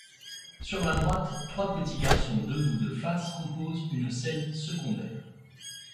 Sur la droite, trois petits garçons debout de face composent une scène secondaire.